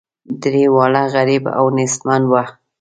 درې واړه غریب او نیستمن وه.